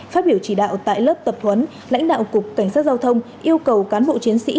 phát biểu chỉ đạo tại lớp tập huấn lãnh đạo cục cảnh sát giao thông yêu cầu cán bộ chiến sĩ